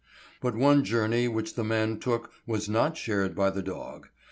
But one journey which the man took was not shared by the dog.